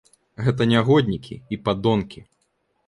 Гэта нягоднікі і падонкі.